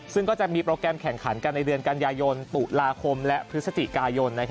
ซึ่งก็จะมีโปรแกรมแข่งขันกันในเดือนกันยายนตุลาคมและพฤศจิกายน